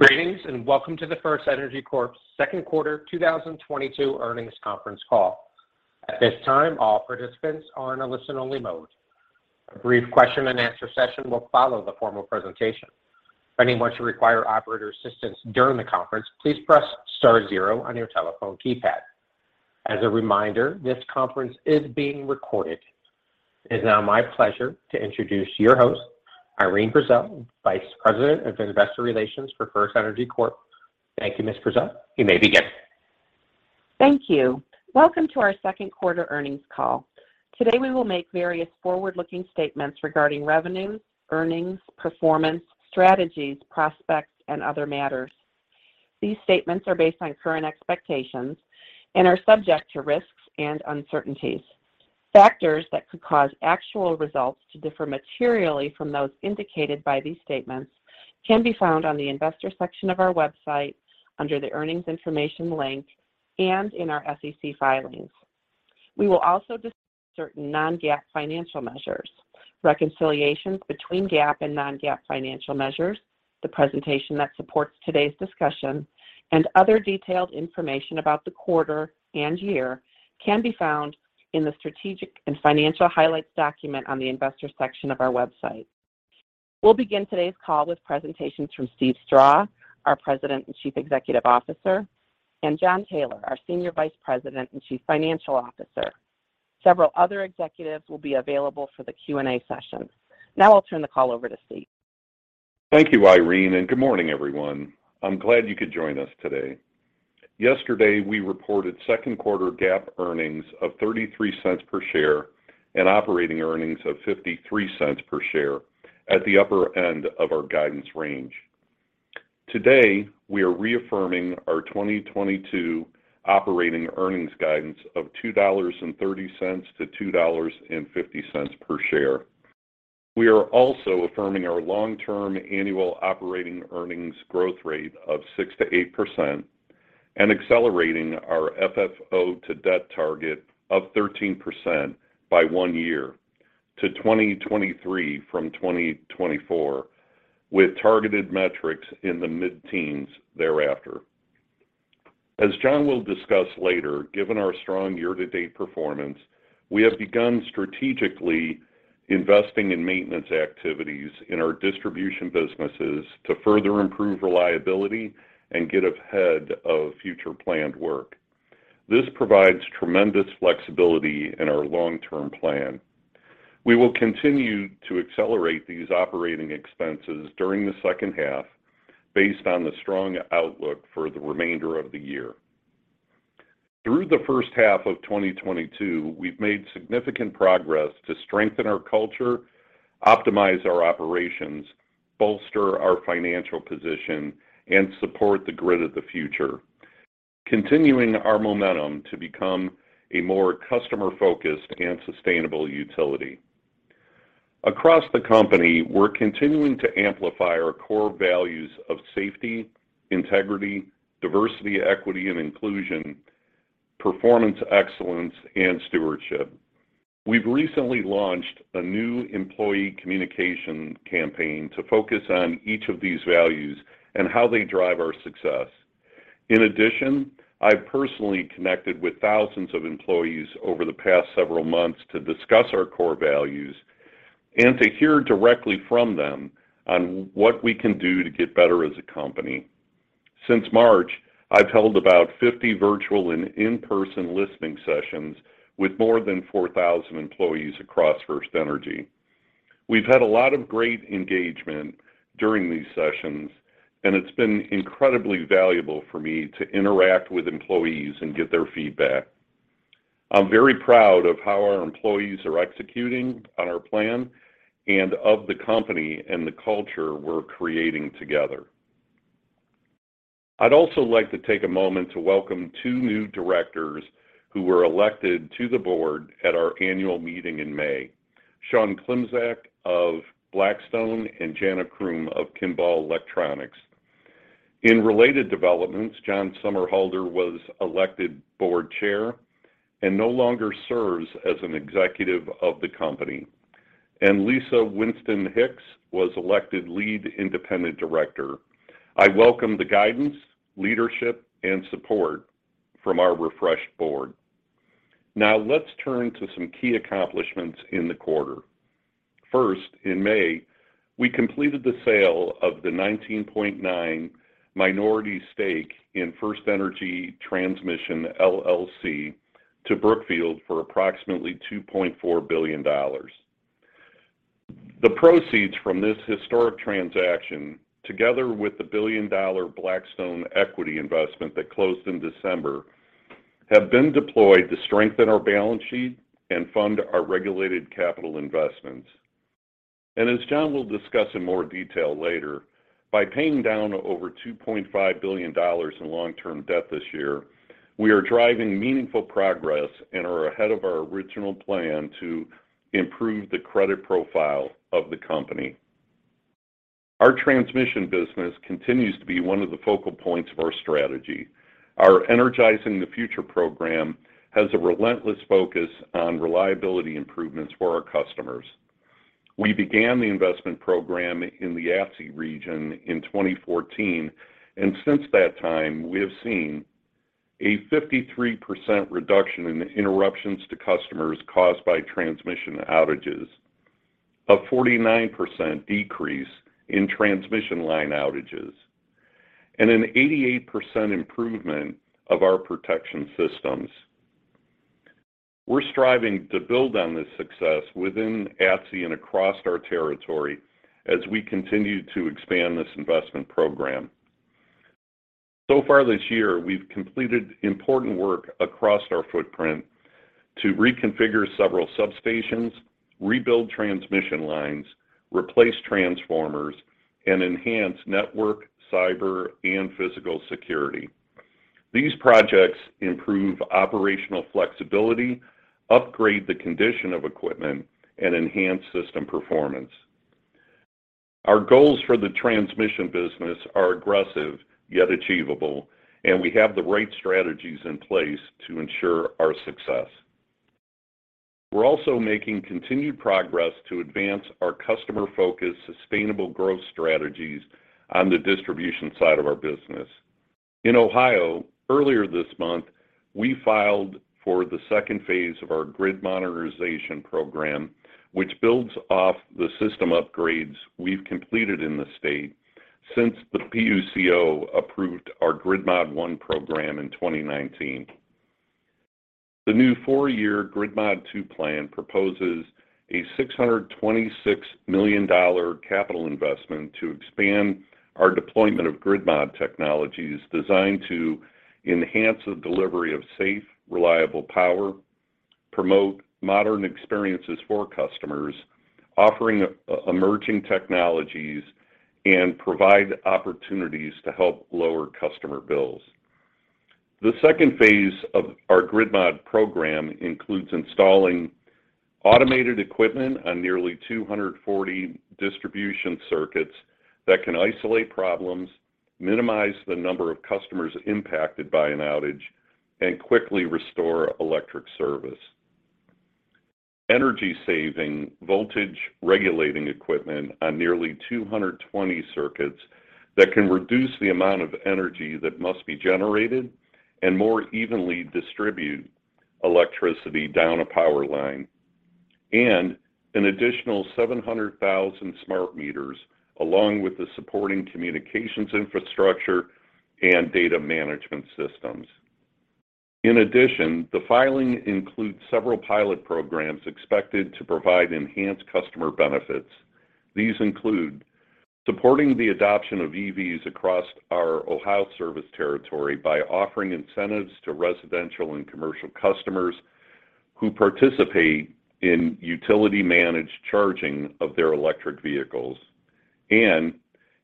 Greetings, and welcome to the FirstEnergy Corp.'s second quarter 2022 earnings conference call. At this time, all participants are in a listen-only mode. A brief question and answer session will follow the formal presentation. If anyone should require operator assistance during the conference, please press star zero on your telephone keypad. As a reminder, this conference is being recorded. It is now my pleasure to introduce your host, Irene Prezelj, Vice President of Investor Relations for FirstEnergy Corp. Thank you, Ms. Prezelj. You may begin. Thank you. Welcome to our second quarter earnings call. Today, we will make various forward-looking statements regarding revenues, earnings, performance, strategies, prospects, and other matters. These statements are based on current expectations and are subject to risks and uncertainties. Factors that could cause actual results to differ materially from those indicated by these statements can be found on the investor section of our website under the Earnings Information link and in our SEC filings. We will also discuss certain non-GAAP financial measures. Reconciliations between GAAP and non-GAAP financial measures, the presentation that supports today's discussion, and other detailed information about the quarter and year can be found in the Strategic and Financial Highlights document on the investor section of our website. We'll begin today's call with presentations from Steve Strah, our President and Chief Executive Officer, and Jon Taylor, our Senior Vice President and Chief Financial Officer. Several other executives will be available for the Q&A session. Now I'll turn the call over to Steve. Thank you, Irene, and good morning, everyone. I'm glad you could join us today. Yesterday, we reported second quarter GAAP earnings of $0.33 per share and operating earnings of $0.53 per share at the upper end of our guidance range. Today, we are reaffirming our 2022 operating earnings guidance of $2.30-$2.50 per share. We are also affirming our long-term annual operating earnings growth rate of 6%-8% and accelerating our FFO to debt target of 13% by one year to 2023 from 2024, with targeted metrics in the mid-teens thereafter. As Jon will discuss later, given our strong year-to-date performance, we have begun strategically investing in maintenance activities in our distribution businesses to further improve reliability and get ahead of future planned work. This provides tremendous flexibility in our long-term plan. We will continue to accelerate these operating expenses during the second half based on the strong outlook for the remainder of the year. Through the first half of 2022, we've made significant progress to strengthen our culture, optimize our operations, bolster our financial position, and support the grid of the future, continuing our momentum to become a more customer-focused and sustainable utility. Across the company, we're continuing to amplify our core values of safety, integrity, diversity, equity and inclusion, performance excellence, and stewardship. We've recently launched a new employee communication campaign to focus on each of these values and how they drive our success. In addition, I've personally connected with thousands of employees over the past several months to discuss our core values and to hear directly from them on what we can do to get better as a company. Since March, I've held about 50 virtual and in-person listening sessions with more than 4,000 employees across FirstEnergy. We've had a lot of great engagement during these sessions, and it's been incredibly valuable for me to interact with employees and get their feedback. I'm very proud of how our employees are executing on our plan and of the company and the culture we're creating together. I'd also like to take a moment to welcome two new directors who were elected to the board at our annual meeting in May, Sean Klimczak of Blackstone and Jana Croom of Kimball Electronics. In related developments, Jon Somerhalder was elected board chair and no longer serves as an executive of the company. Lisa Winston Hicks was elected lead independent director. I welcome the guidance, leadership, and support from our refreshed board. Now let's turn to some key accomplishments in the quarter. First, in May, we completed the sale of the 19.9 minority stake in FirstEnergy Transmission, LLC to Brookfield for approximately $2.4 billion. The proceeds from this historic transaction, together with the $1 billion Blackstone equity investment that closed in December, have been deployed to strengthen our balance sheet and fund our regulated capital investments. As Jon will discuss in more detail later, by paying down over $2.5 billion in long-term debt this year, we are driving meaningful progress and are ahead of our original plan to improve the credit profile of the company. Our transmission business continues to be one of the focal points of our strategy. Our Energizing the Future program has a relentless focus on reliability improvements for our customers. We began the investment program in the ATSI region in 2014, and since that time, we have seen a 53% reduction in interruptions to customers caused by transmission outages, a 49% decrease in transmission line outages, and an 88% improvement of our protection systems. We're striving to build on this success within ATSI and across our territory as we continue to expand this investment program. So far this year, we've completed important work across our footprint to reconfigure several substations, rebuild transmission lines, replace transformers, and enhance network, cyber, and physical security. These projects improve operational flexibility, upgrade the condition of equipment, and enhance system performance. Our goals for the transmission business are aggressive yet achievable, and we have the right strategies in place to ensure our success. We're also making continued progress to advance our customer-focused sustainable growth strategies on the distribution side of our business. In Ohio, earlier this month, we filed for the second phase of our grid modernization program, which builds off the system upgrades we've completed in the state since the PUCO approved our Grid Mod One program in 2019. The new four-year Grid Mod Two plan proposes a $626 million capital investment to expand our deployment of Grid Mod technologies designed to enhance the delivery of safe, reliable power, promote modern experiences for customers, offering emerging technologies, and provide opportunities to help lower customer bills. The second phase of our Grid Mod program includes installing automated equipment on nearly 240 distribution circuits that can isolate problems, minimize the number of customers impacted by an outage, and quickly restore electric service. Energy-saving voltage regulating equipment on nearly 220 circuits that can reduce the amount of energy that must be generated and more evenly distribute electricity down a power line, and an additional 700,000 smart meters, along with the supporting communications infrastructure and data management systems. In addition, the filing includes several pilot programs expected to provide enhanced customer benefits. These include supporting the adoption of EVs across our Ohio service territory by offering incentives to residential and commercial customers who participate in utility-managed charging of their electric vehicles and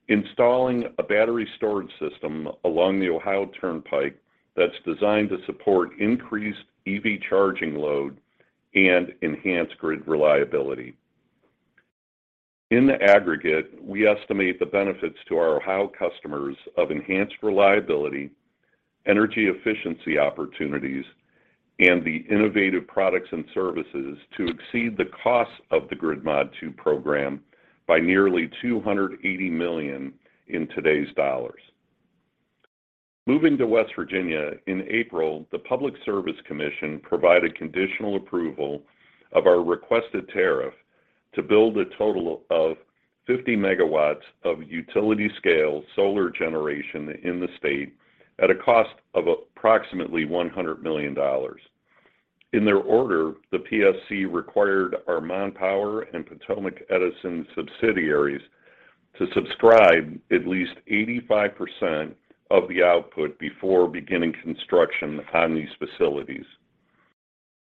installing a battery storage system along the Ohio Turnpike that's designed to support increased EV charging load and enhanced grid reliability. In the aggregate, we estimate the benefits to our Ohio customers of enhanced reliability, energy efficiency opportunities, and the innovative products and services to exceed the costs of the Grid Mod Two program by nearly $280 million in today's dollars. Moving to West Virginia, in April, the Public Service Commission provided conditional approval of our requested tariff to build a total of 50 MW of utility-scale solar generation in the state at a cost of approximately $100 million. In their order, the PSC required our Mon Power and Potomac Edison subsidiaries to subscribe at least 85% of the output before beginning construction on these facilities.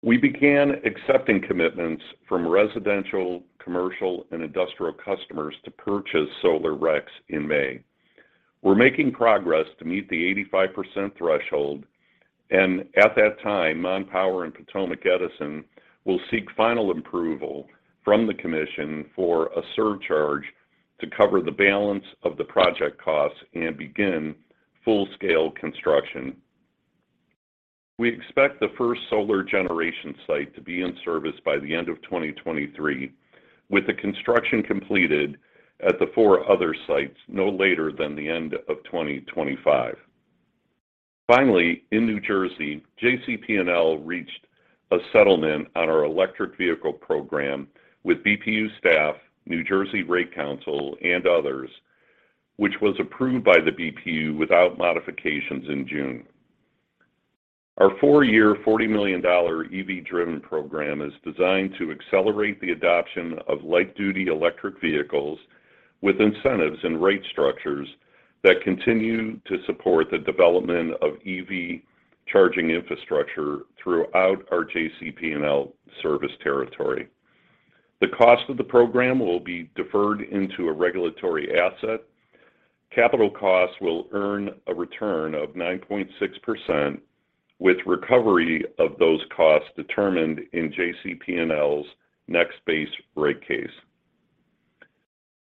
We began accepting commitments from residential, commercial, and industrial customers to purchase solar RECs in May. We're making progress to meet the 85% threshold, and at that time, Mon Power and Potomac Edison will seek final approval from the commission for a surcharge to cover the balance of the project costs and begin full-scale construction. We expect the first solar generation site to be in service by the end of 2023, with the construction completed at the four other sites no later than the end of 2025. Finally, in New Jersey, JCP&L reached a settlement on our electric vehicle program with BPU staff, New Jersey Division of Rate Counsel, and others, which was approved by the BPU without modifications in June. Our 4-year, $40 million EV-driven program is designed to accelerate the adoption of light-duty electric vehicles with incentives and rate structures that continue to support the development of EV charging infrastructure throughout our JCP&L service territory. The cost of the program will be deferred into a regulatory asset. Capital costs will earn a return of 9.6%, with recovery of those costs determined in JCP&L's next base rate case.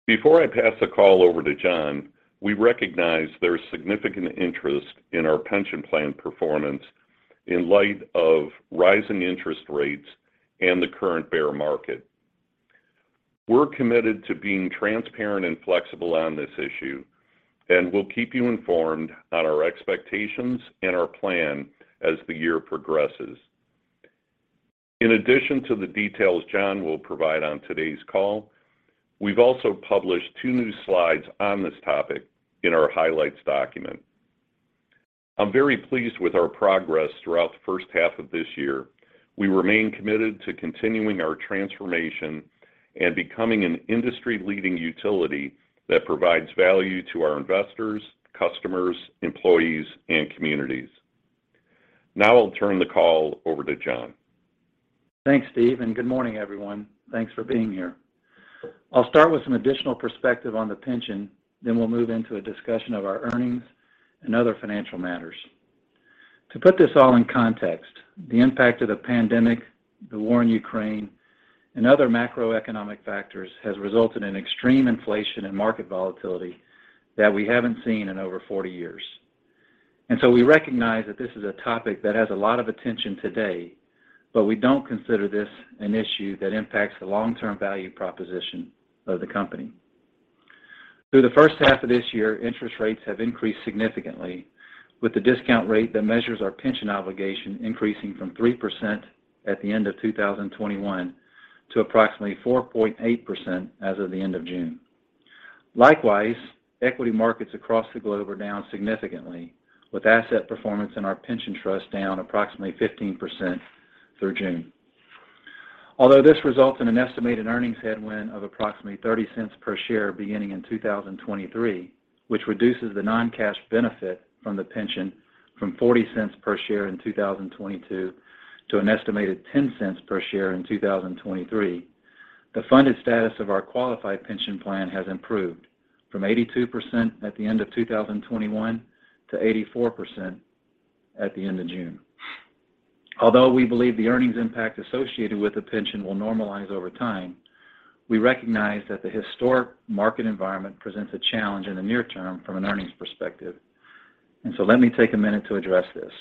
Before I pass the call over to Jon, we recognize there's significant interest in our pension plan performance in light of rising interest rates and the current bear market. We're committed to being transparent and flexible on this issue, and we'll keep you informed on our expectations and our plan as the year progresses. In addition to the details Jon will provide on today's call, we've also published two new slides on this topic in our highlights document. I'm very pleased with our progress throughout the first half of this year. We remain committed to continuing our transformation and becoming an industry-leading utility that provides value to our investors, customers, employees, and communities. Now I'll turn the call over to Jon. Thanks, Steve, and good morning, everyone. Thanks for being here. I'll start with some additional perspective on the pension, then we'll move into a discussion of our earnings and other financial matters. To put this all in context, the impact of the pandemic, the war in Ukraine, and other macroeconomic factors has resulted in extreme inflation and market volatility that we haven't seen in over 40 years. We recognize that this is a topic that has a lot of attention today, but we don't consider this an issue that impacts the long-term value proposition of the company. Through the first half of this year, interest rates have increased significantly, with the discount rate that measures our pension obligation increasing from 3% at the end of 2021 to approximately 4.8% as of the end of June. Likewise, equity markets across the globe are down significantly, with asset performance in our pension trust down approximately 15% through June. Although this results in an estimated earnings headwind of approximately $0.30 per share beginning in 2023, which reduces the non-cash benefit from the pension from $0.40 per share in 2022 to an estimated $0.10 per share in 2023, the funded status of our qualified pension plan has improved from 82% at the end of 2021 to 84% at the end of June. Although we believe the earnings impact associated with the pension will normalize over time, we recognize that the historic market environment presents a challenge in the near term from an earnings perspective. Let me take a minute to address this.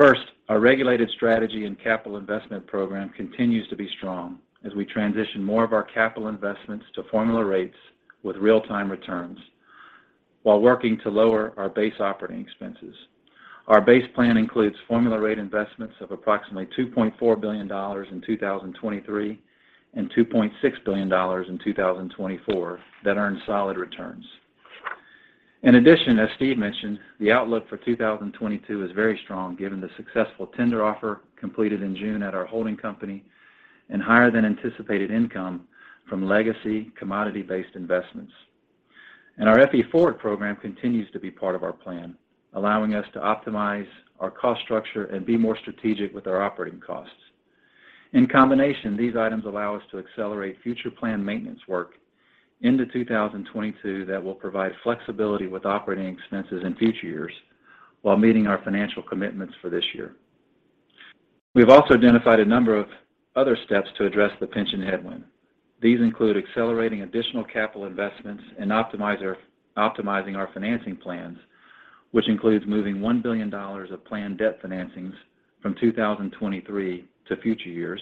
First, our regulated strategy and capital investment program continues to be strong as we transition more of our capital investments to formula rates with real-time returns while working to lower our base operating expenses. Our base plan includes formula rate investments of approximately $2.4 billion in 2023 and $2.6 billion in 2024 that earn solid returns. In addition, as Steve mentioned, the outlook for 2022 is very strong given the successful tender offer completed in June at our holding company and higher-than-anticipated income from legacy commodity-based investments. Our FE Forward program continues to be part of our plan, allowing us to optimize our cost structure and be more strategic with our operating costs. In combination, these items allow us to accelerate future planned maintenance work into 2022 that will provide flexibility with operating expenses in future years while meeting our financial commitments for this year. We've also identified a number of other steps to address the pension headwind. These include accelerating additional capital investments and optimizing our financing plans, which includes moving $1 billion of planned debt financings from 2023 to future years,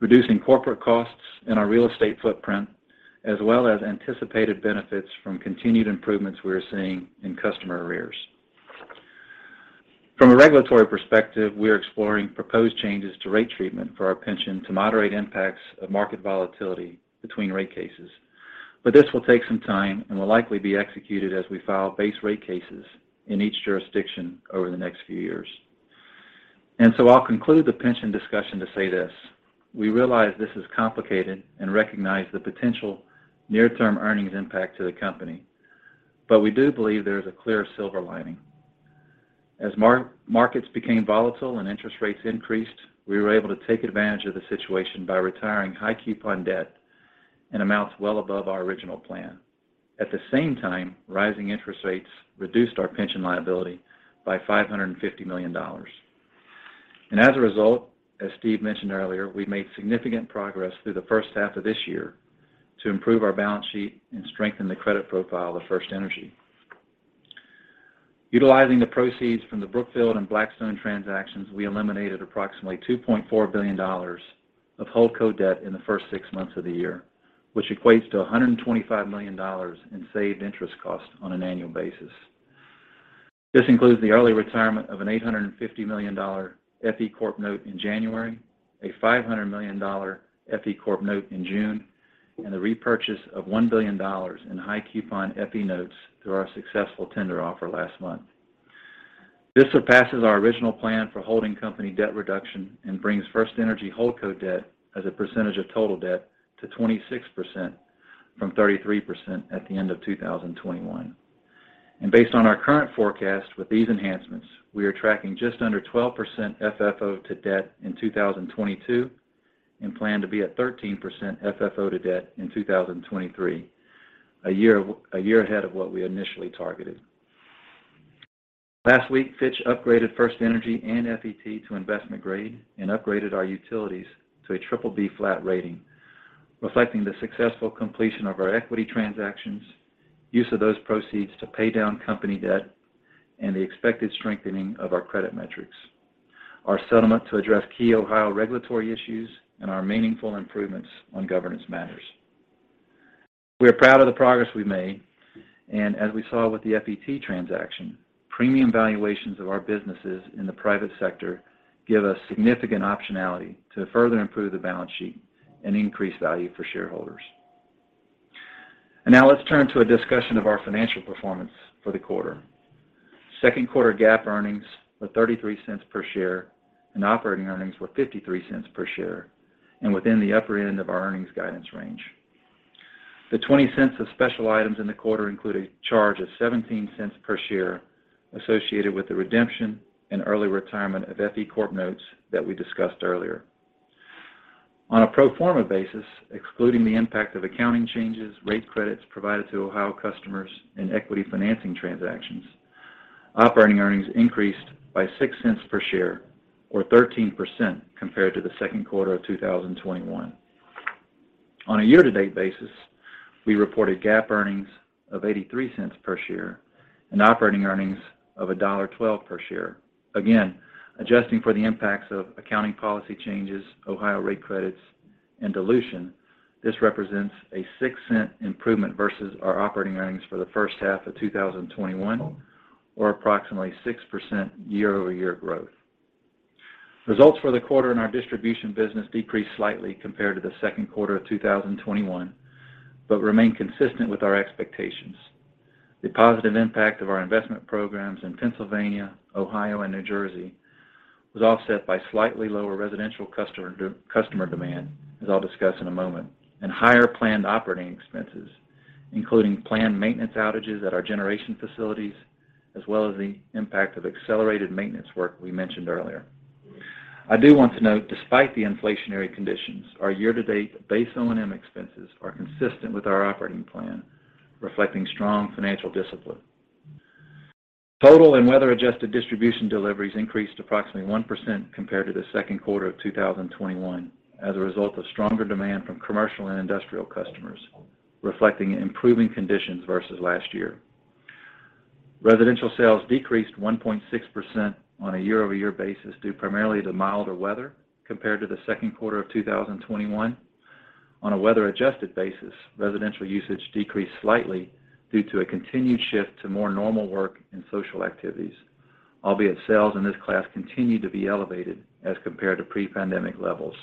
reducing corporate costs in our real estate footprint, as well as anticipated benefits from continued improvements we are seeing in customer arrears. From a regulatory perspective, we are exploring proposed changes to rate treatment for our pension to moderate impacts of market volatility between rate cases. This will take some time and will likely be executed as we file base rate cases in each jurisdiction over the next few years. I'll conclude the pension discussion to say this. We realize this is complicated and recognize the potential near-term earnings impact to the company. We do believe there is a clear silver lining. As markets became volatile and interest rates increased, we were able to take advantage of the situation by retiring high-coupon debt in amounts well above our original plan. At the same time, rising interest rates reduced our pension liability by $550 million. As a result, as Steve mentioned earlier, we've made significant progress through the first half of this year to improve our balance sheet and strengthen the credit profile of FirstEnergy. Utilizing the proceeds from the Brookfield and Blackstone transactions, we eliminated approximately $2.4 billion of holdco debt in the first six months of the year, which equates to $125 million in saved interest costs on an annual basis. This includes the early retirement of an $850 million FE Corp note in January, a $500 million FE Corp note in June, and the repurchase of $1 billion in high-coupon FE notes through our successful tender offer last month. This surpasses our original plan for holding company debt reduction and brings FirstEnergy holdco debt as a percentage of total debt to 26% from 33% at the end of 2021. Based on our current forecast with these enhancements, we are tracking just under 12% FFO to debt in 2022 and plan to be at 13% FFO to debt in 2023, a year ahead of what we initially targeted. Last week, Fitch upgraded FirstEnergy and FET to investment grade and upgraded our utilities to a BBB flat rating, reflecting the successful completion of our equity transactions use of those proceeds to pay down company debt and the expected strengthening of our credit metrics. Our settlement to address key Ohio regulatory issues and our meaningful improvements on governance matters. We are proud of the progress we've made, and as we saw with the FET transaction, premium valuations of our businesses in the private sector give us significant optionality to further improve the balance sheet and increase value for shareholders. Now let's turn to a discussion of our financial performance for the quarter. Second quarter GAAP earnings were $0.33 per share, and operating earnings were $0.53 per share and within the upper end of our earnings guidance range. The 20 cents of special items in the quarter include a charge of $0.17 per share associated with the redemption and early retirement of FE Corp notes that we discussed earlier. On a pro forma basis, excluding the impact of accounting changes, rate credits provided to Ohio customers and equity financing transactions, operating earnings increased by $0.06 per share or 13% compared to the second quarter of 2021. On a year-to-date basis, we reported GAAP earnings of $0.83 per share and operating earnings of $1.12 per share. Again, adjusting for the impacts of accounting policy changes, Ohio rate credits, and dilution, this represents a $0.06 improvement versus our operating earnings for the first half of 2021 or approximately 6% year-over-year growth. Results for the quarter in our distribution business decreased slightly compared to the second quarter of 2021, but remain consistent with our expectations. The positive impact of our investment programs in Pennsylvania, Ohio, and New Jersey was offset by slightly lower residential customer demand, as I'll discuss in a moment, and higher planned operating expenses, including planned maintenance outages at our generation facilities, as well as the impact of accelerated maintenance work we mentioned earlier. I do want to note, despite the inflationary conditions, our year-to-date base O&M expenses are consistent with our operating plan, reflecting strong financial discipline. Total and weather-adjusted distribution deliveries increased approximately 1% compared to the second quarter of 2021 as a result of stronger demand from commercial and industrial customers, reflecting improving conditions versus last year. Residential sales decreased 1.6% on a year-over-year basis due primarily to milder weather compared to the second quarter of 2021. On a weather-adjusted basis, residential usage decreased slightly due to a continued shift to more normal work and social activities, albeit sales in this class continued to be elevated as compared to pre-pandemic levels.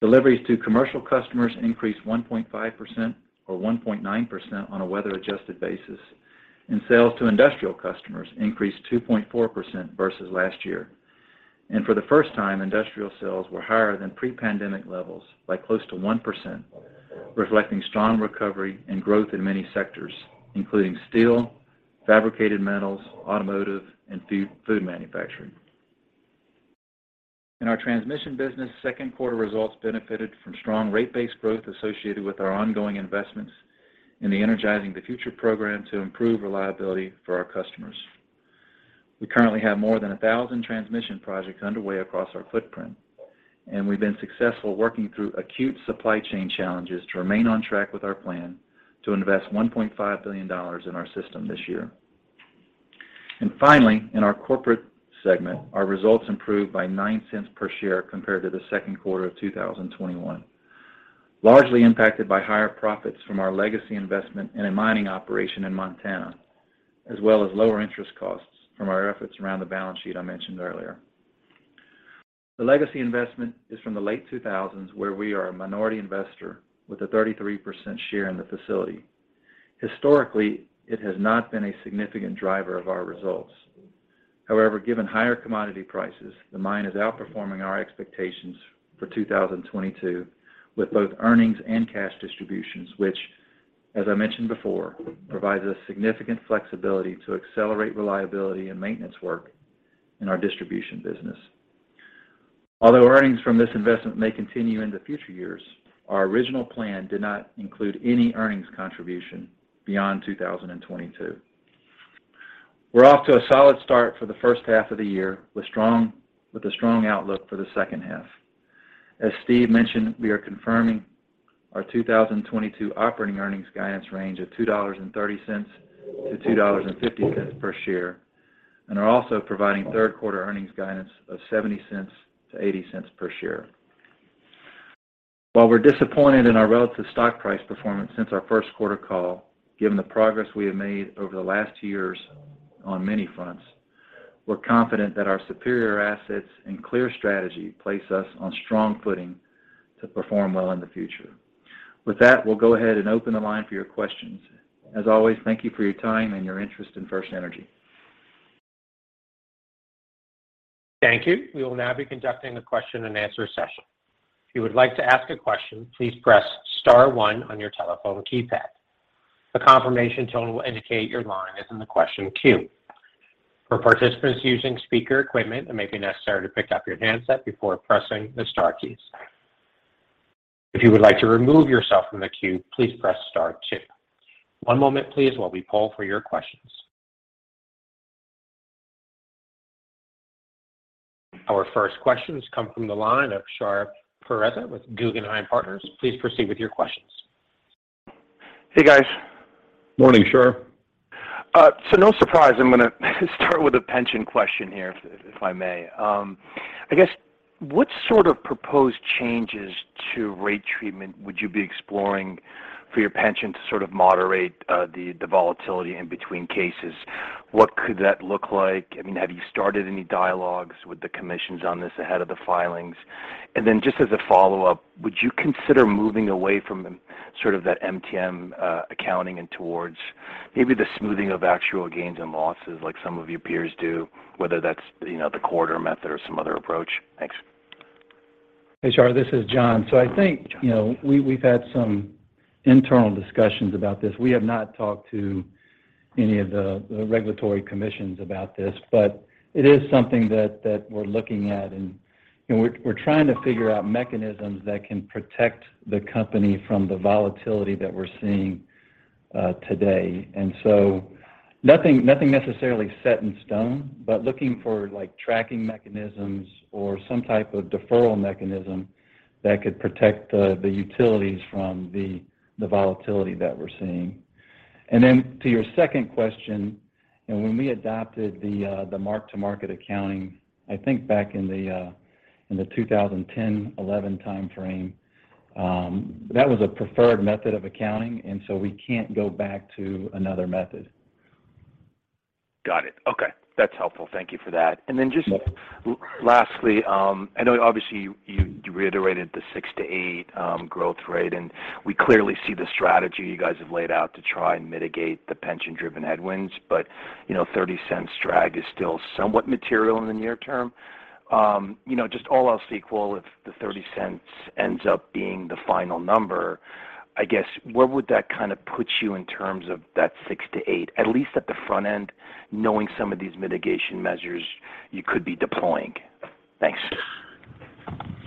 Deliveries to commercial customers increased 1.5% or 1.9% on a weather-adjusted basis, and sales to industrial customers increased 2.4% versus last year. For the first time, industrial sales were higher than pre-pandemic levels by close to 1%, reflecting strong recovery and growth in many sectors, including steel, fabricated metals, automotive, and food manufacturing. In our transmission business, second quarter results benefited from strong rate-based growth associated with our ongoing investments in the Energizing the Future program to improve reliability for our customers. We currently have more than 1,000 transmission projects underway across our footprint, and we've been successful working through acute supply chain challenges to remain on track with our plan to invest $1.5 billion in our system this year. Finally, in our corporate segment, our results improved by $0.09 per share compared to the second quarter of 2021, largely impacted by higher profits from our legacy investment in a mining operation in Montana, as well as lower interest costs from our efforts around the balance sheet I mentioned earlier. The legacy investment is from the late 2000s where we are a minority investor with a 33% share in the facility. Historically, it has not been a significant driver of our results. However, given higher commodity prices, the mine is outperforming our expectations for 2022 with both earnings and cash distributions, which, as I mentioned before, provides us significant flexibility to accelerate reliability and maintenance work in our distribution business. Although earnings from this investment may continue into future years, our original plan did not include any earnings contribution beyond 2022. We're off to a solid start for the first half of the year with a strong outlook for the second half. As Steve mentioned, we are confirming our 2022 operating earnings guidance range of $2.30-$2.50 per share and are also providing third quarter earnings guidance of $0.70-$0.80 per share. While we're disappointed in our relative stock price performance since our first quarter call, given the progress we have made over the last years on many fronts, we're confident that our superior assets and clear strategy place us on strong footing to perform well in the future. With that, we'll go ahead and open the line for your questions. As always, thank you for your time and your interest in FirstEnergy. Thank you. We will now be conducting a question and answer session. If you would like to ask a question, please press star one on your telephone keypad. A confirmation tone will indicate your line is in the question queue. For participants using speaker equipment, it may be necessary to pick up your handset before pressing the star keys. If you would like to remove yourself from the queue, please press star two. One moment please while we poll for your questions. Our first questions come from the line of Shar Pourreza with Guggenheim Partners. Please proceed with your questions. Hey, guys. Morning, Shar. No surprise, I'm gonna start with a pension question here if I may. I guess what sort of proposed changes to rate treatment would you be exploring for your pension to sort of moderate the volatility in between cases? What could that look like? I mean, have you started any dialogues with the commissions on this ahead of the filings? Then just as a follow-up, would you consider moving away from the sort of that MTM accounting and towards maybe the smoothing of actual gains and losses like some of your peers do, whether that's, you know, the corridor method or some other approach? Thanks. Hey, Shar, this is Jon. I think, you know, we've had some internal discussions about this. We have not talked to any of the regulatory commissions about this, but it is something that we're looking at. You know, we're trying to figure out mechanisms that can protect the company from the volatility that we're seeing today. Nothing necessarily set in stone, but looking for like tracking mechanisms or some type of deferral mechanism that could protect the utilities from the volatility that we're seeing. To your second question, you know, when we adopted the mark-to-market accounting, I think back in the 2010-2011 timeframe, that was a preferred method of accounting, and we can't go back to another method. Got it. Okay. That's helpful. Thank you for that. Just lastly, I know obviously you reiterated the 6%-8% growth rate, and we clearly see the strategy you guys have laid out to try and mitigate the pension-driven headwinds, but you know, $0.30 drag is still somewhat material in the near term. You know, just all else equal, if the $0.30 ends up being the final number, I guess, where would that kind of put you in terms of that 6%-8%, at least at the front end, knowing some of these mitigation measures you could be deploying? Thanks.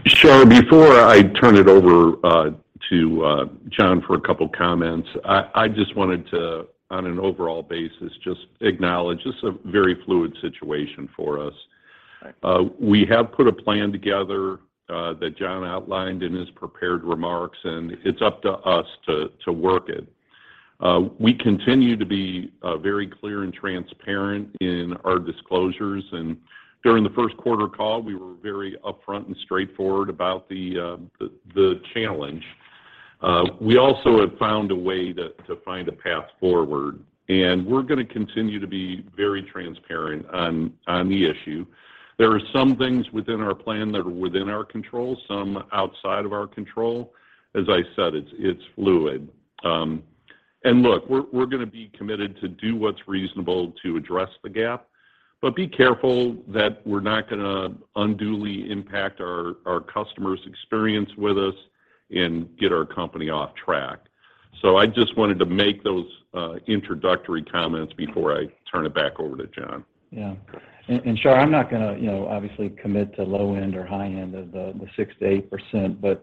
Shar, before I turn it over to Jon for a couple comments, I just wanted to, on an overall basis, just acknowledge this is a very fluid situation for us. Right. We have put a plan together that Jon outlined in his prepared remarks, and it's up to us to work it. We continue to be very clear and transparent in our disclosures, and during the first quarter call, we were very upfront and straightforward about the challenge. We also have found a way to find a path forward, and we're gonna continue to be very transparent on the issue. There are some things within our plan that are within our control, some outside of our control. As I said, it's fluid. Look, we're gonna be committed to do what's reasonable to address the gap, but be careful that we're not gonna unduly impact our customers' experience with us and get our company off track. I just wanted to make those introductory comments before I turn it back over to Jon. Shar, I'm not gonna obviously commit to low end or high end of the 6%-8%, but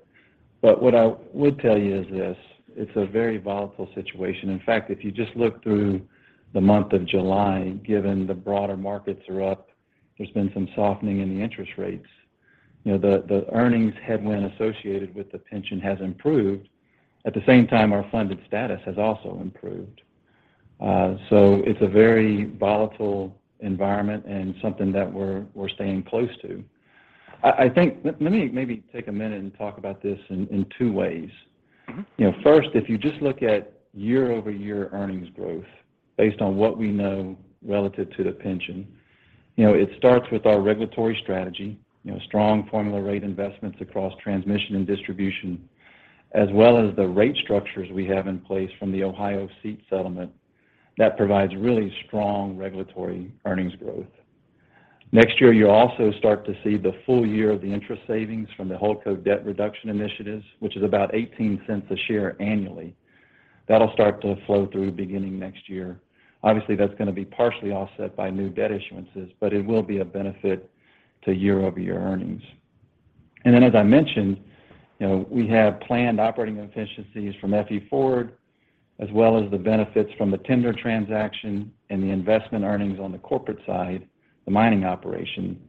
what I would tell you is this. It's a very volatile situation. In fact, if you just look through the month of July, given the broader markets are up, there's been some softening in the interest rates. The earnings headwind associated with the pension has improved. At the same time, our funded status has also improved. It's a very volatile environment and something that we're staying close to. I think. Let me maybe take a minute and talk about this in two ways. Mm-hmm. You know, first, if you just look at year-over-year earnings growth based on what we know relative to the pension, you know, it starts with our regulatory strategy, you know, strong formula rate investments across transmission and distribution, as well as the rate structures we have in place from the Ohio ESP settlement that provides really strong regulatory earnings growth. Next year, you'll also start to see the full year of the interest savings from the Holdco debt reduction initiatives, which is about $0.18 a share annually. That'll start to flow through beginning next year. Obviously, that's gonna be partially offset by new debt issuances, but it will be a benefit to year-over-year earnings. As I mentioned, you know, we have planned operating efficiencies from FE Forward, as well as the benefits from the tender transaction and the investment earnings on the corporate side, the remaining operation.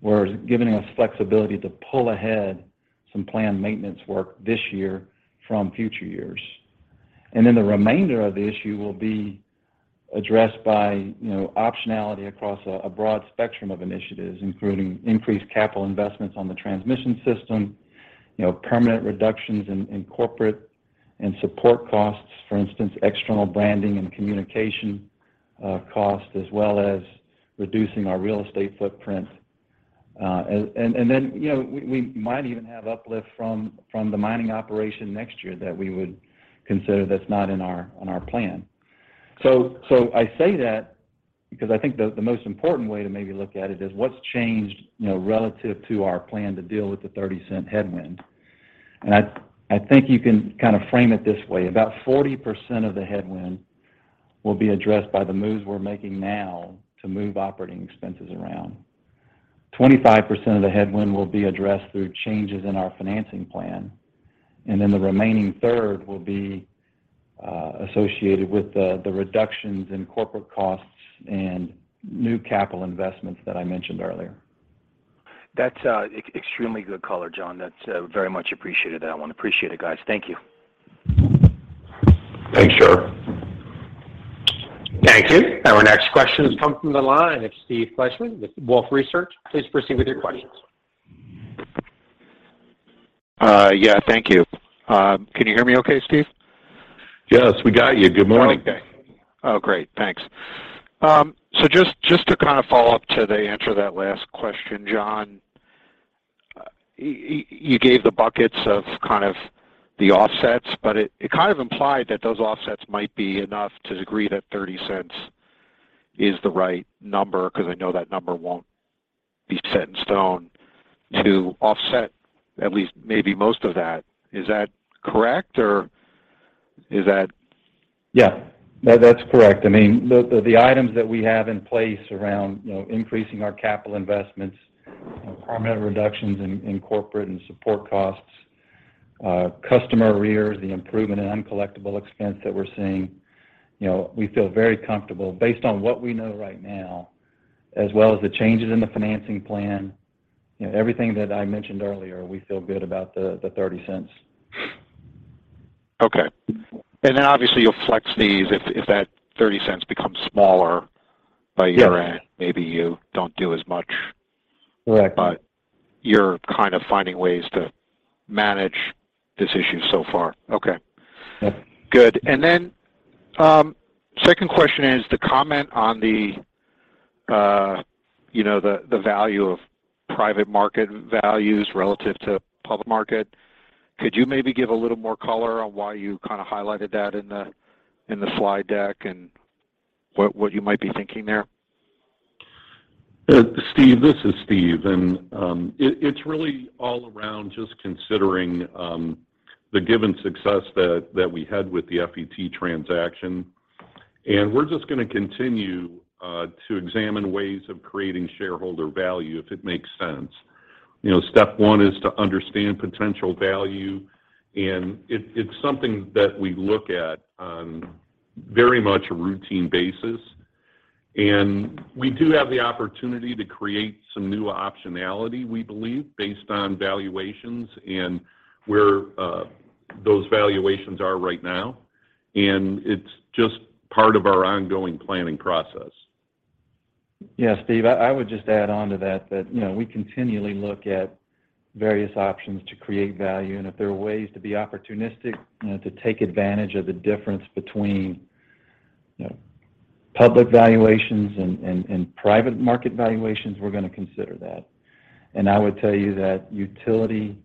We're giving us flexibility to pull ahead some planned maintenance work this year from future years. The remainder of the issue will be addressed by, you know, optionality across a broad spectrum of initiatives, including increased capital investments on the transmission system, you know, permanent reductions in corporate and support costs, for instance, external branding and communication costs, as well as reducing our real estate footprint. We might even have uplift from the mining operation next year that we would consider that's not in our plan. I say that because I think the most important way to maybe look at it is what's changed, you know, relative to our plan to deal with the $0.30 headwind. I think you can kind of frame it this way. About 40% of the headwind will be addressed by the moves we're making now to move operating expenses around. Twenty-five percent of the headwind will be addressed through changes in our financing plan, and then the remaining third will be associated with the reductions in corporate costs and new capital investments that I mentioned earlier. That's extremely good color, Jon. That's very much appreciated. I want to appreciate it, guys. Thank you. Thanks, sure. Thank you. Our next question has come from the line. It's Steve Fleishman with Wolfe Research. Please proceed with your questions. Yeah, thank you. Can you hear me okay, Steve? Yes, we got you. Good morning. Morning. Oh, great. Thanks. Just to kind of follow up to the answer to that last question, Jon. You gave the buckets of kind of the offsets, but it kind of implied that those offsets might be enough to the degree that $0.30 is the right number because I know that number won't be set in stone to offset at least maybe most of that. Is that correct, or is that? Yeah. No, that's correct. I mean, the items that we have in place around, you know, increasing our capital investments, permanent reductions in corporate and support costs, customer arrears, the improvement in uncollectible expense that we're seeing. You know, we feel very comfortable based on what we know right now, as well as the changes in the financing plan. You know, everything that I mentioned earlier, we feel good about the $0.30. Okay. Obviously, you'll flex these if that $0.30 becomes smaller by your end. Yeah. Maybe you don't do as much. Correct. You're kind of finding ways to manage this issue so far. Okay. Yeah. Good. Second question is to comment on the, you know, the value of private market values relative to public market. Could you maybe give a little more color on why you kind of highlighted that in the slide deck and what you might be thinking there? Steve, this is Steve. It's really all around just considering the given success that we had with the FET transaction. We're just going to continue to examine ways of creating shareholder value if it makes sense. You know, step one is to understand potential value, and it's something that we look at on very much a routine basis. We do have the opportunity to create some new optionality, we believe, based on valuations and where those valuations are right now. It's just part of our ongoing planning process. Yeah. Steve, I would just add on to that, you know, we continually look at various options to create value, and if there are ways to be opportunistic, you know, to take advantage of the difference between, you know, public valuations and private market valuations, we're going to consider that. I would tell you that utility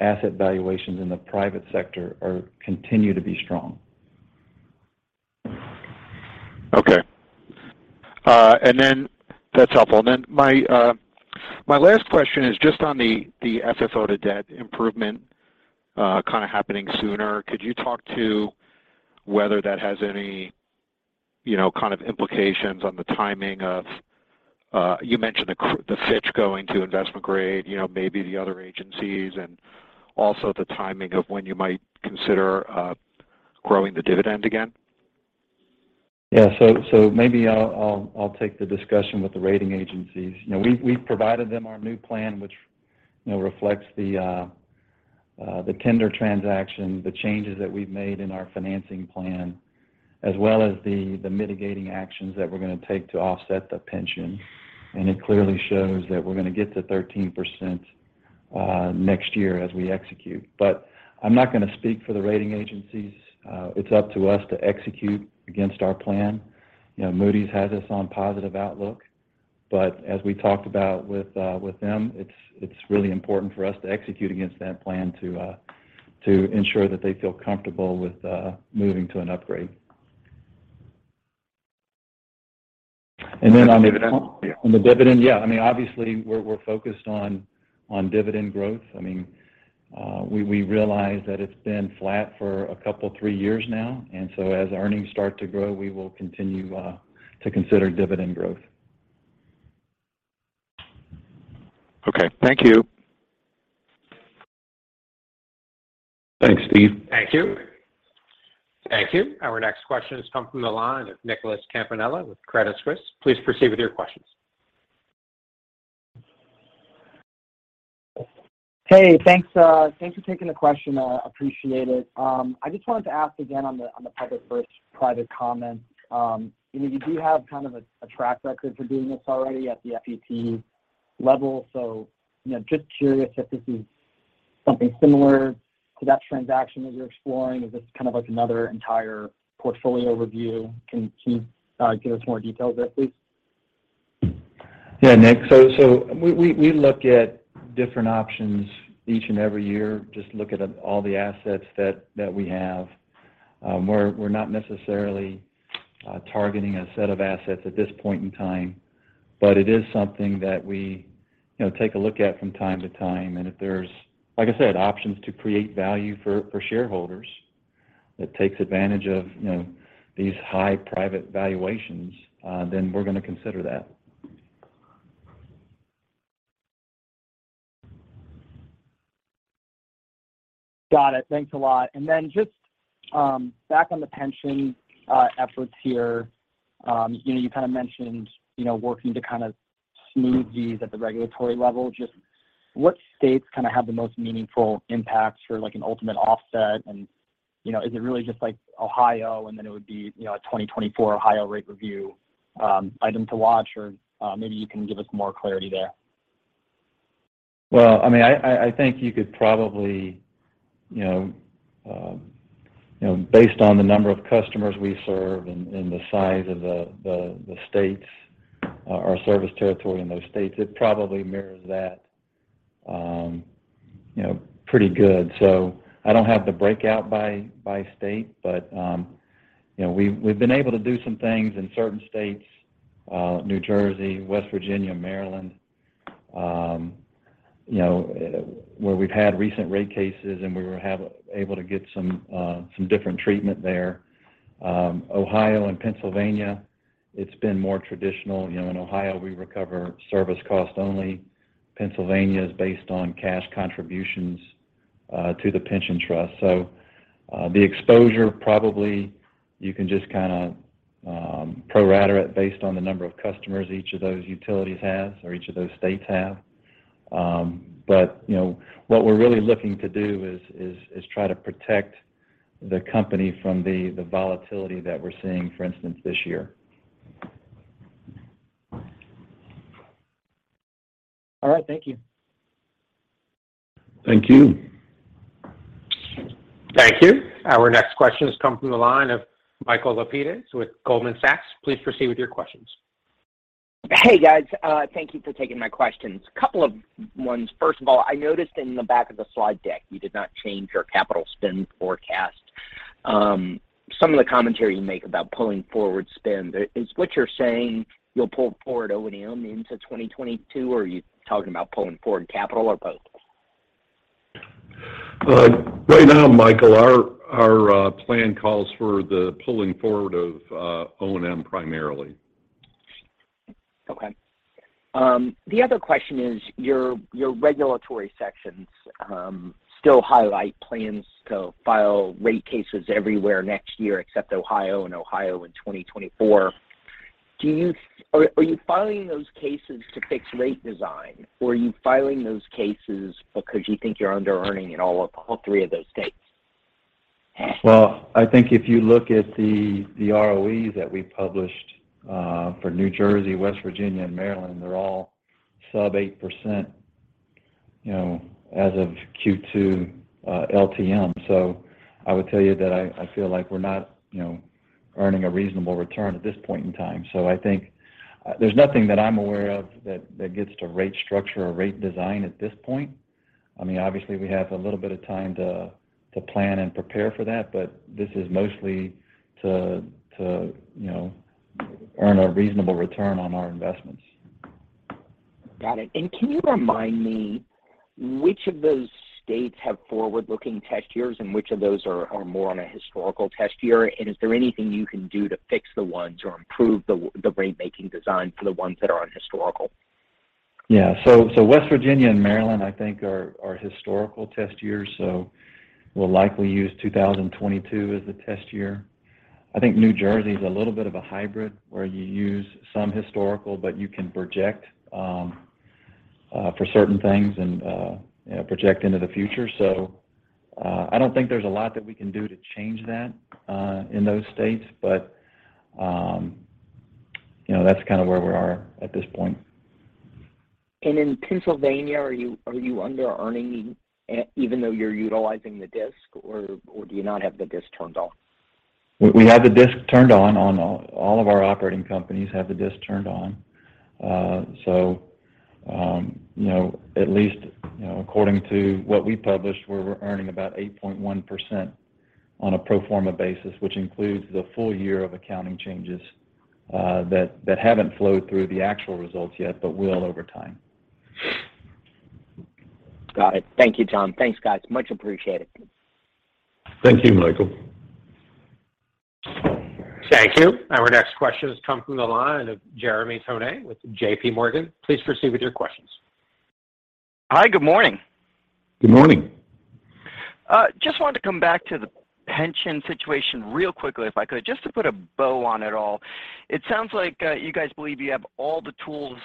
asset valuations in the private sector continue to be strong. Okay. That's helpful. My last question is just on the FFO to debt improvement kind of happening sooner. Could you talk to whether that has any, you know, kind of implications on the timing of, you mentioned the Fitch going to investment grade, you know, maybe the other agencies and also the timing of when you might consider growing the dividend again? Maybe I'll take the discussion with the rating agencies. We provided them our new plan, which reflects the tender transaction, the changes that we've made in our financing plan, as well as the mitigating actions that we're going to take to offset the pension. It clearly shows that we're going to get to 13% next year as we execute. I'm not going to speak for the rating agencies. It's up to us to execute against our plan. Moody's has us on positive outlook. As we talked about with them, it's really important for us to execute against that plan to ensure that they feel comfortable with moving to an upgrade. On the dividend? Yeah. On the dividend, yeah. I mean, obviously we're focused on dividend growth. I mean, we realize that it's been flat for a couple, three years now. So as earnings start to grow, we will continue to consider dividend growth. Okay. Thank you. Thanks, Steve. Thank you. Thank you. Our next question has come from the line of Nicholas Campanella with Credit Suisse. Please proceed with your questions. Hey, thanks for taking the question. Appreciate it. I just wanted to ask again on the public versus private comment. You know, you do have kind of a track record for doing this already at the FET level. So, you know, just curious if this is something similar to that transaction that you're exploring, or is this kind of like another entire portfolio review? Can you give us more details there, please? Yeah, Nick. So we look at different options each and every year, just look at all the assets that we have. We're not necessarily targeting a set of assets at this point in time, but it is something that we, you know, take a look at from time to time. If there's, like I said, options to create value for shareholders. That takes advantage of, you know, these high private valuations, then we're going to consider that. Got it. Thanks a lot. Just back on the pension efforts here. You know, you kind of mentioned, you know, working to kind of smooth these at the regulatory level. Just what states kind of have the most meaningful impacts for like an ultimate offset? You know, is it really just like Ohio, and then it would be, you know, a 2024 Ohio rate review item to watch, or maybe you can give us more clarity there. Well, I mean, I think you could probably, you know, based on the number of customers we serve and the size of the states, our service territory in those states, it probably mirrors that, you know, pretty good. I don't have the breakout by state, but, you know, we've been able to do some things in certain states, New Jersey, West Virginia, Maryland, you know, where we've had recent rate cases, and we were able to get some different treatment there. Ohio and Pennsylvania, it's been more traditional. You know, in Ohio, we recover service cost only. Pennsylvania is based on cash contributions to the pension trust. The exposure, probably you can just kind of pro rata it based on the number of customers each of those utilities has or each of those states have. You know, what we're really looking to do is try to protect the company from the volatility that we're seeing, for instance, this year. All right. Thank you. Thank you. Thank you. Our next question has come from the line of Michael Lapides with Goldman Sachs. Please proceed with your questions. Hey, guys. Thank you for taking my questions. A couple of questions. First of all, I noticed in the back of the slide deck, you did not change your capital spend forecast. Some of the commentary you make about pulling forward spend, is what you're saying you'll pull forward O&M into 2022, or are you talking about pulling forward capital or both? Right now, Michael, our plan calls for the pulling forward of O&M primarily. Okay. The other question is, your regulatory sections still highlight plans to file rate cases everywhere next year except Ohio in 2024. Are you filing those cases to fix rate design, or are you filing those cases because you think you're under-earning in all three of those states? Well, I think if you look at the ROEs that we published for New Jersey, West Virginia, and Maryland, they're all sub 8%, you know, as of Q2 LTM. I would tell you that I feel like we're not, you know, earning a reasonable return at this point in time. I think there's nothing that I'm aware of that gets to rate structure or rate design at this point. I mean, obviously we have a little bit of time to plan and prepare for that, but this is mostly to, you know, earn a reasonable return on our investments. Got it. Can you remind me which of those states have forward-looking test years and which of those are more on a historical test year? Is there anything you can do to fix the ones or improve the rate making design for the ones that are on historical? Yeah. West Virginia and Maryland, I think are historical test years, so we'll likely use 2022 as the test year. I think New Jersey is a little bit of a hybrid where you use some historical, but you can project for certain things and, you know, project into the future. I don't think there's a lot that we can do to change that in those states. You know, that's kind of where we are at this point. In Pennsylvania, are you under-earning even though you're utilizing the DISC or do you not have the DISC turned on? We have the DISC turned on all of our operating companies. You know, at least, you know, according to what we published, we're earning about 8.1% on a pro forma basis, which includes the full year of accounting changes that haven't flowed through the actual results yet, but will over time. Got it. Thank you, Jon Taylor. Thanks, guys. Much appreciated. Thank you, Michael. Thank you. Our next question has come from the line of Jeremy Tonet with JPMorgan. Please proceed with your questions. Hi. Good morning. Good morning. Just wanted to come back to the pension situation real quickly, if I could, just to put a bow on it all. It sounds like you guys believe you have all the tools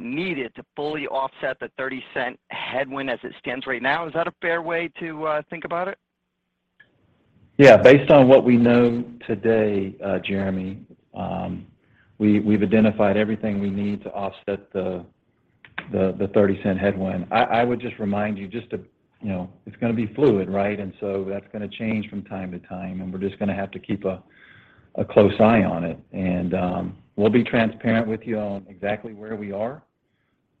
needed to fully offset the $0.30 headwind as it stands right now. Is that a fair way to think about it? Yeah. Based on what we know today, Jeremy, we've identified everything we need to offset the $0.30 headwind. I would just remind you just to you know, it's going to be fluid, right? That's going to change from time to time, and we're just going to have to keep a close eye on it. We'll be transparent with you on exactly where we are.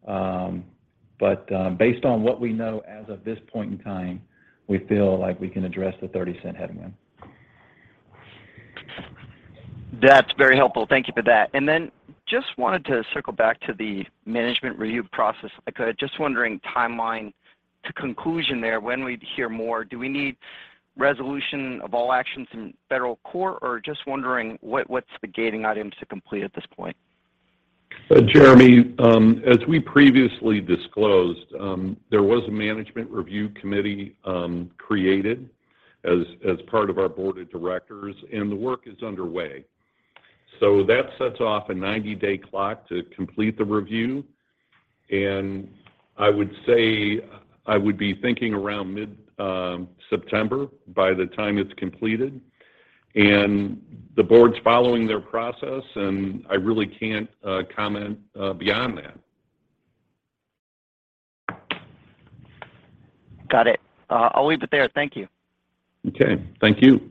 Based on what we know as of this point in time, we feel like we can address the $0.30 headwind. That's very helpful. Thank you for that. Just wanted to circle back to the management review process. Just wondering timeline to conclusion there. When we'd hear more, do we need resolution of all actions in federal court? Just wondering what's the gating item to complete at this point? Jeremy Tonet, as we previously disclosed, there was a management review committee created as part of our board of directors, and the work is underway. That sets off a 90-day clock to complete the review. I would say I would be thinking around mid-September by the time it's completed. The board's following their process, and I really can't comment beyond that. Got it. I'll leave it there. Thank you. Okay. Thank you.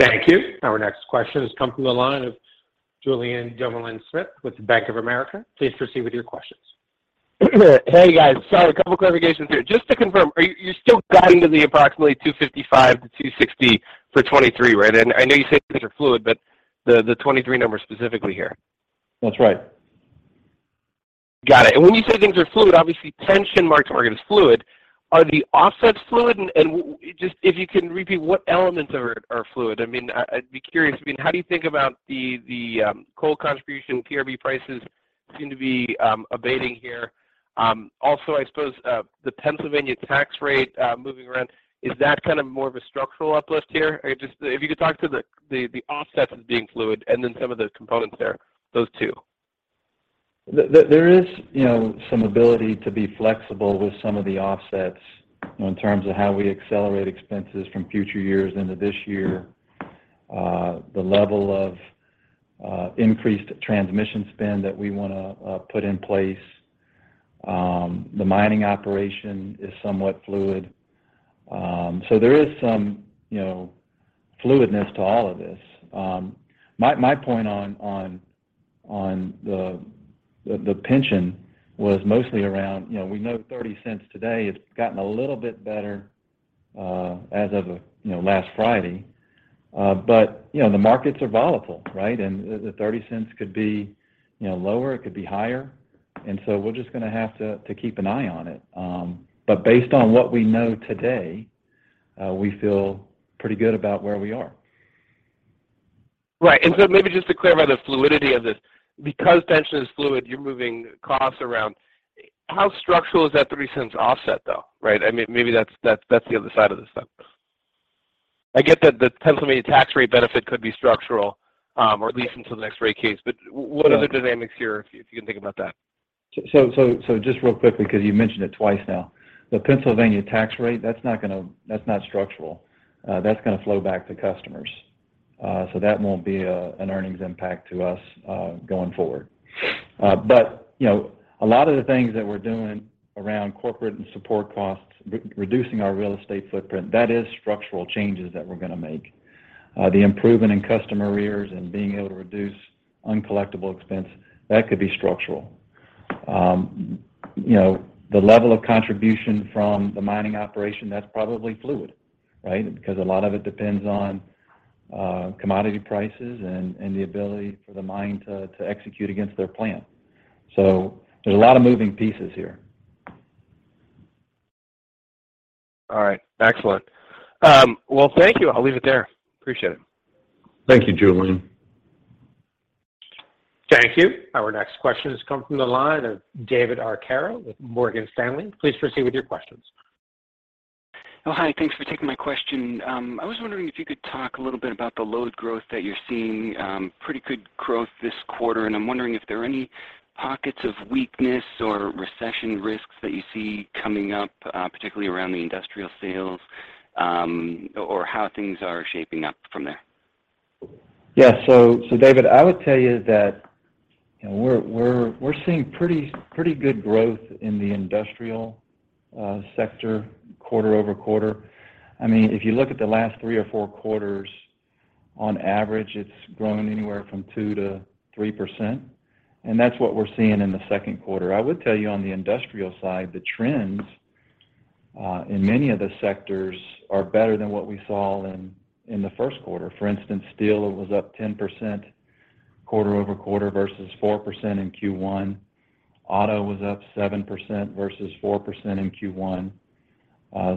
Thank you. Our next question has come from the line of Julien Dumoulin-Smith with Bank of America. Please proceed with your questions. Hey, guys. Sorry, a couple clarifications here. Just to confirm, you're still guiding to approximately $255-$260 for 2023, right? I know you say things are fluid, but the 2023 number specifically here. That's right. When you say things are fluid, obviously pension market target is fluid. Are the offsets fluid? Just if you can repeat what elements are fluid. I mean, I'd be curious. I mean, how do you think about the coal contribution, PRB prices seem to be abating here. Also I suppose, the Pennsylvania tax rate moving around, is that kind of more of a structural uplift here? Or just if you could talk to the offsets as being fluid and then some of the components there, those two. There is, you know, some ability to be flexible with some of the offsets in terms of how we accelerate expenses from future years into this year. The level of increased transmission spend that we wanna put in place. The timing operation is somewhat fluid. So there is some, you know, fluidness to all of this. My point on the pension was mostly around, you know, we know $0.30 today. It's gotten a little bit better, as of, you know, last Friday. But, you know, the markets are volatile, right? And the $0.30 could be, you know, lower, it could be higher. We're just gonna have to keep an eye on it. But based on what we know today, we feel pretty good about where we are. Right. Maybe just to clarify the fluidity of this, because pension is fluid, you're moving costs around. How structural is that $0.03 offset, though, right? I mean, maybe that's the other side of this though. I get that the Pennsylvania tax rate benefit could be structural, or at least until the next rate case. What are the dynamics here, if you can think about that? Just real quickly because you mentioned it twice now. The Pennsylvania tax rate, that's not structural. That's gonna flow back to customers. That won't be an earnings impact to us going forward. You know, a lot of the things that we're doing around corporate and support costs, reducing our real estate footprint, that is structural changes that we're gonna make. The improvement in customer arrears and being able to reduce uncollectible expense, that could be structural. You know, the level of contribution from the mining operation, that's probably fluid, right? Because a lot of it depends on commodity prices and the ability for the mine to execute against their plan. There's a lot of moving pieces here. All right, excellent. Well, thank you. I'll leave it there. Appreciate it. Thank you, Julien. Thank you. Our next question has come from the line of David Arcaro with Morgan Stanley. Please proceed with your questions. Oh, hi. Thanks for taking my question. I was wondering if you could talk a little bit about the load growth that you're seeing, pretty good growth this quarter. I'm wondering if there are any pockets of weakness or recession risks that you see coming up, particularly around the industrial sales, or how things are shaping up from there. Yeah. David, I would tell you that, you know, we're seeing pretty good growth in the industrial sector quarter-over-quarter. I mean, if you look at the last three or four quarters, on average, it's grown anywhere from 2%-3%, and that's what we're seeing in the second quarter. I would tell you on the industrial side, the trends in many of the sectors are better than what we saw in the first quarter. For instance, steel was up 10% quarter-over-quarter versus 4% in Q1.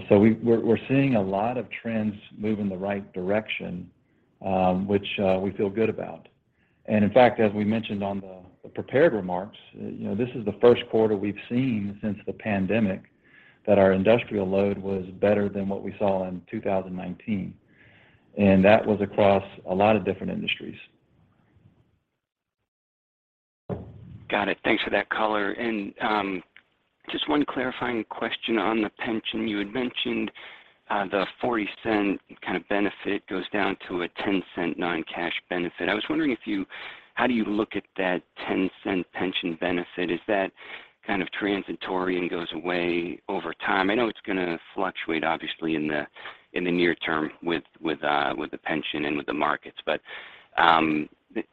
We're seeing a lot of trends moving the right direction, which we feel good about. In fact, as we mentioned on the prepared remarks, you know, this is the first quarter we've seen since the pandemic that our industrial load was better than what we saw in 2019, and that was across a lot of different industries. Got it. Thanks for that color. Just one clarifying question on the pension. You had mentioned the $0.40 kind of benefit goes down to a $0.10 non-cash benefit. I was wondering how do you look at that $0.10 pension benefit? Is that kind of transitory and goes away over time? I know it's gonna fluctuate obviously in the near term with the pension and with the markets, but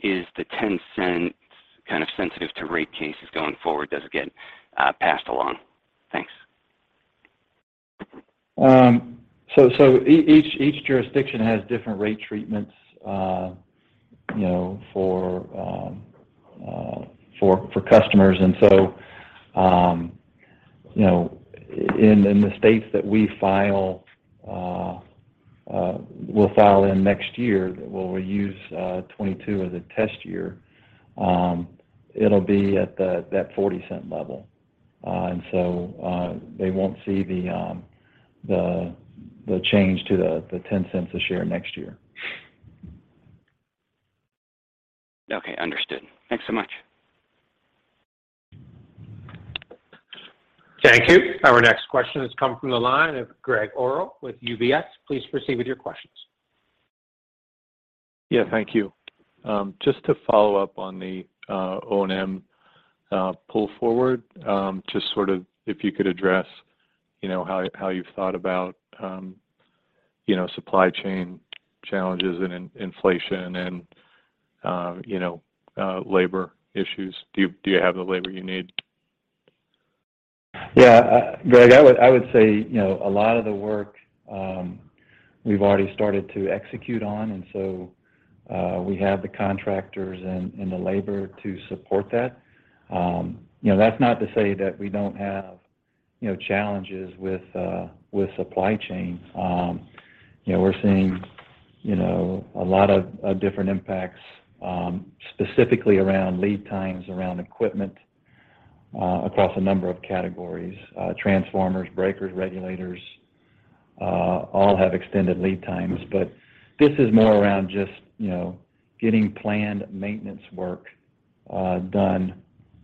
is the $0.10 kind of sensitive to rate cases going forward? Does it get passed along? Thanks. Each jurisdiction has different rate treatments, you know, for customers. In the states that we file, we'll file in next year where we use 2022 as a test year, it'll be at that $0.40 level. They won't see the change to the $0.10 a share next year. Okay. Understood. Thanks so much. Thank you. Our next question has come from the line of Gregg Orrill with UBS. Please proceed with your questions. Yeah, thank you. Just to follow up on the O&M pull forward, just sort of if you could address, you know, how you've thought about, you know, supply chain challenges and inflation and, you know, labor issues. Do you have the labor you need? Yeah. Gregg, I would say, you know, a lot of the work we've already started to execute on. We have the contractors and the labor to support that. You know, that's not to say that we don't have, you know, challenges with supply chain. You know, we're seeing, you know, a lot of different impacts, specifically around lead times, around equipment, across a number of categories. Transformers, breakers, regulators, all have extended lead times. But this is more around just, you know, getting planned maintenance work done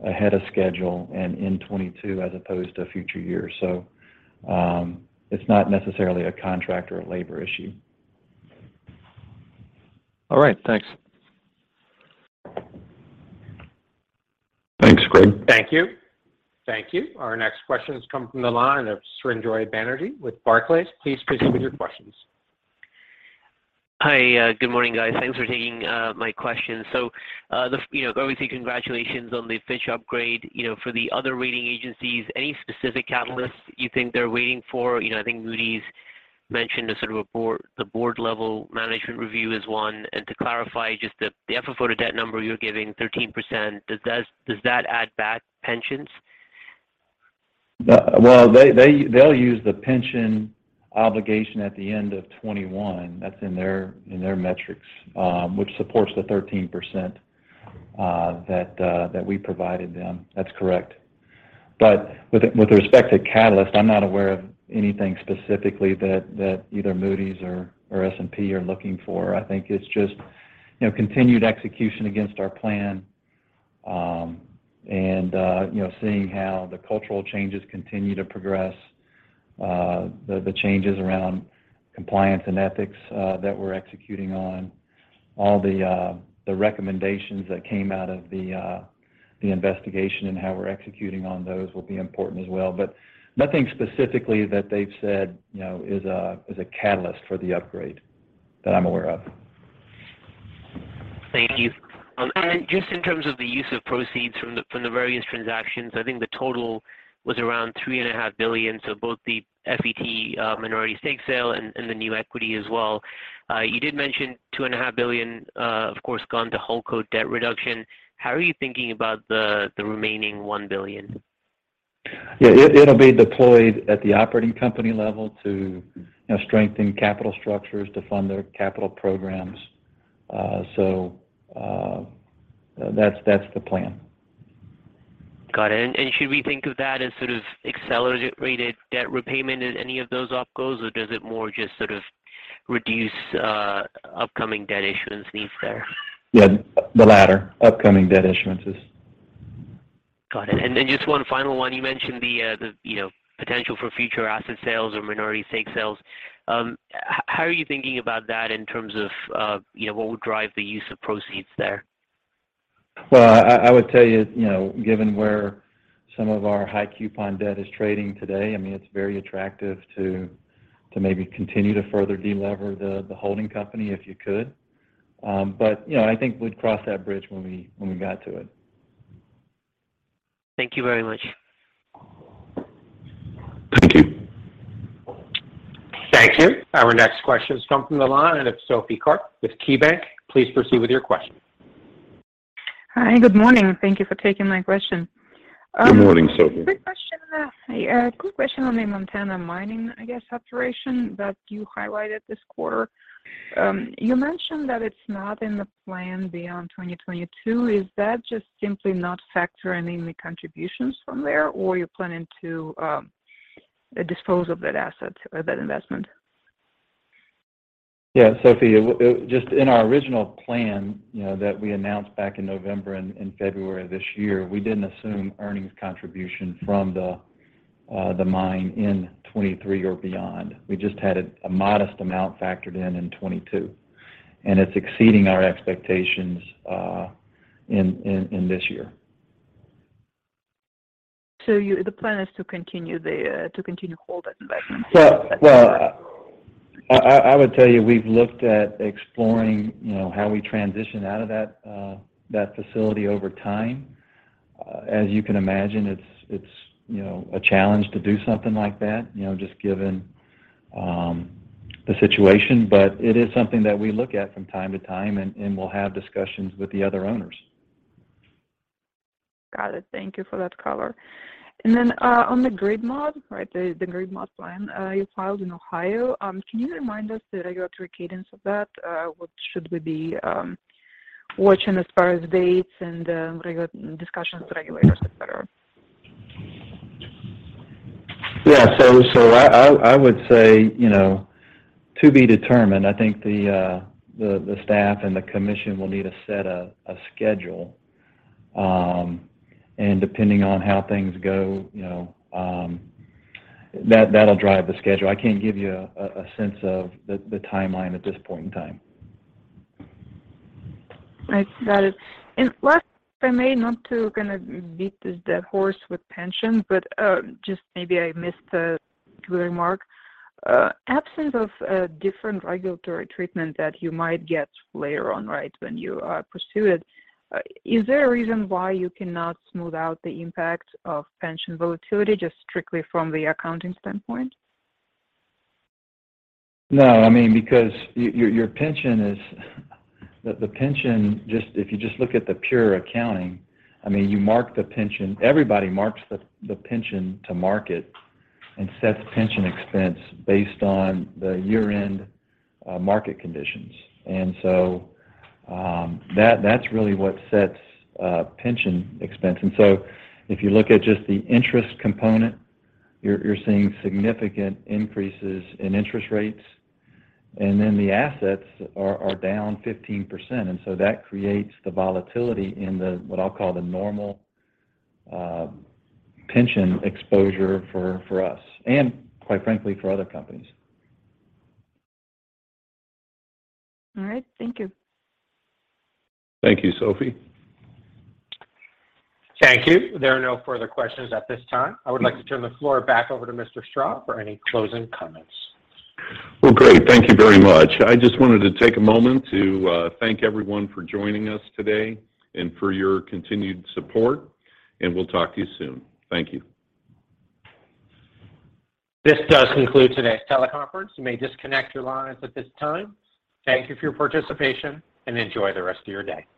ahead of schedule and in 2022 as opposed to future years. It's not necessarily a contract or a labor issue. All right. Thanks. Thanks, Gregg. Thank you. Our next question has come from the line of Srinjoy Banerjee with Barclays. Please proceed with your questions. Hi. Good morning, guys. Thanks for taking my questions. You know, obviously, congratulations on the Fitch upgrade. You know, for the other rating agencies, any specific catalysts you think they're waiting for? You know, I think Moody's mentioned a sort of a board-level management review is one. To clarify just the FFO to debt number you're giving, 13%, does that add back pensions? Well, they'll use the pension obligation at the end of 2021. That's in their metrics, which supports the 13% that we provided them. That's correct. But with respect to catalyst, I'm not aware of anything specifically that either Moody's or S&P are looking for. I think it's just, you know, continued execution against our plan, and, you know, seeing how the cultural changes continue to progress. The changes around compliance and ethics that we're executing on. All the recommendations that came out of the investigation and how we're executing on those will be important as well. But nothing specifically that they've said, you know, is a catalyst for the upgrade that I'm aware of. Thank you. Just in terms of the use of proceeds from the various transactions, I think the total was around $3.5 billion, so both the FET minority stake sale and the new equity as well. You did mention $2.5 billion, of course, gone to Holdco debt reduction. How are you thinking about the remaining $1 billion? Yeah. It'll be deployed at the operating company level to, you know, strengthen capital structures to fund their capital programs. That's the plan. Got it. Should we think of that as sort of accelerated debt repayment in any of those OpCos, or does it more just sort of reduce upcoming debt issuance needs there? Yeah. The latter, upcoming debt issuances. Got it. Just one final one. You mentioned the you know potential for future asset sales or minority stake sales. How are you thinking about that in terms of you know what would drive the use of proceeds there? Well, I would tell you know, given where some of our high coupon debt is trading today, I mean, it's very attractive to maybe continue to further de-lever the holding company if you could. You know, I think we'd cross that bridge when we got to it. Thank you very much. Thank you. Thank you. Our next question has come from the line, and it's Sophie Karp with KeyBank. Please proceed with your question. Hi. Good morning. Thank you for taking my question. Good morning, Sophie. Quick question on the Montana mining, I guess, operation that you highlighted this quarter. You mentioned that it's not in the plan beyond 2022. Is that just simply not factoring in the contributions from there or you're planning to dispose of that asset or that investment? Yeah. Sophie, just in our original plan, you know, that we announced back in November and in February of this year, we didn't assume earnings contribution from the mine in 2023 or beyond. We just had a modest amount factored in in 2022, and it's exceeding our expectations in this year. The plan is to continue to hold that investment. I would tell you we've looked at exploring, you know, how we transition out of that facility over time. As you can imagine, it's you know, a challenge to do something like that, you know, just given the situation. It is something that we look at from time to time and we'll have discussions with the other owners. Got it. Thank you for that color. Then, on the grid mod, right, the grid mod plan you filed in Ohio, can you remind us the regulatory cadence of that? What should we be watching as far as dates and discussions with regulators, et cetera? Yeah. I would say, you know, to be determined. I think the staff and the commission will need to set a schedule. Depending on how things go, you know, that'll drive the schedule. I can't give you a sense of the timeline at this point in time. Right. Got it. Last, if I may, not to kinda beat this dead horse with pension, but just maybe I missed a remark. Absence of a different regulatory treatment that you might get later on, right, when you pursue it, is there a reason why you cannot smooth out the impact of pension volatility just strictly from the accounting standpoint? No. I mean, because your pension is the pension. If you just look at the pure accounting, I mean, you mark the pension. Everybody marks the pension to market and sets pension expense based on the year-end market conditions. That's really what sets pension expense. If you look at just the interest component, you're seeing significant increases in interest rates, and then the assets are down 15%, and so that creates the volatility in what I'll call the normal pension exposure for us, and quite frankly, for other companies. All right. Thank you. Thank you, Sophie. Thank you. There are no further questions at this time. I would like to turn the floor back over to Mr. Strah for any closing comments. Well, great. Thank you very much. I just wanted to take a moment to thank everyone for joining us today and for your continued support, and we'll talk to you soon. Thank you. This does conclude today's teleconference. You may disconnect your lines at this time. Thank you for your participation, and enjoy the rest of your day.